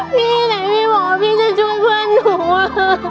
ที่ไหนพี่บอกว่าพี่จะช่วยเพื่อนหนูอ่ะ